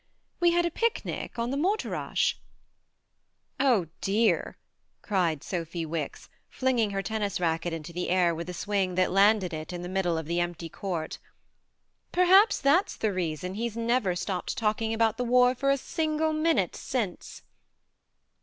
We had a picnic on the Morterasch." " Oh, dear," cried Sophy Wicks, flinging her tennis racket into the air with a swing that landed it in the middle of the empty court "perhaps that's the reason he's never stopped talk ing about the war for a single minute since